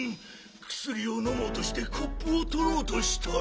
くすりをのもうとしてコップをとろうとしたら。